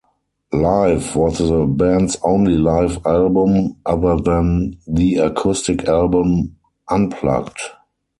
"Live" was the band's only live album other than the acoustic album "Unplugged".